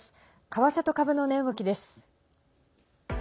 為替と株の値動きです。